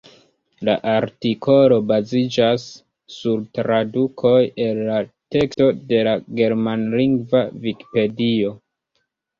La artikolo baziĝas sur tradukoj el la teksto de la germanlingva vikipedio.